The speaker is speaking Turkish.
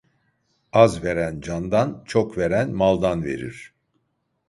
Az veren candan, çok veren maldan verir.